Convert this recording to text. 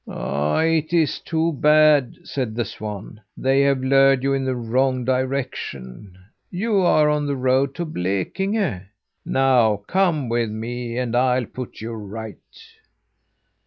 "It's too bad," said the swan. "They have lured you in the wrong direction. You're on the road to Blekinge. Now come with me, and I'll put you right!"